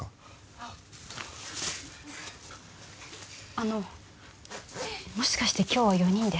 あっあのもしかして今日は４人で？